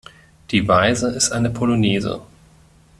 Die Weise ist eine Polonaise.